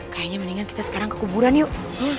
kayaknya mendingan kita sekarang kekuburan yuk